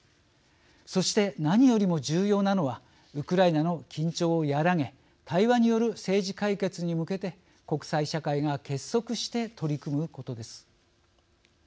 そして何よりも重要なのはウクライナの緊張を和らげ対話による政治解決に向けて国際社会が結束して取り組むことです。